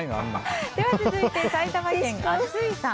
続いて、埼玉県の方。